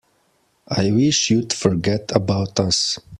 I wish you'd forget about us.